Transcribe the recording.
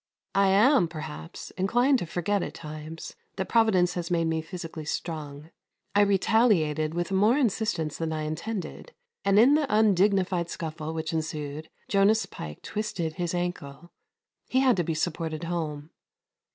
I am, perhaps, inclined to forget at times that Providence has made me physically strong. I retaliated with more insistence than I intended, and in the undignified scuffle which ensued Jonas Pike twisted his ankle. He had to be supported home.